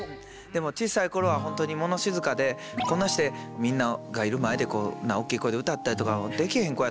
でも小さい頃はホントに物静かでこんなんしてみんながいる前でこんな大きい声で歌ったりとかできへん子やったから。